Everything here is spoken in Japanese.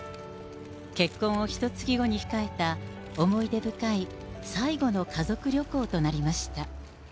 結婚をひとつき後に控えた、思い出深い最後の家族旅行となりました。